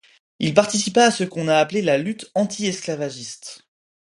Il participa à ce qu'on a appelé la lutte antiesclavagiste.